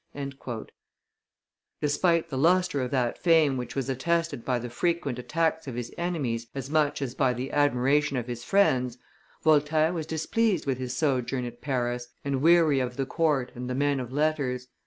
'" Despite the lustre of that fame which was attested by the frequent attacks of his enemies as much as by the admiration of his friends, Voltaire was displeased with his sojourn at Paris, and weary of the court and the men of letters.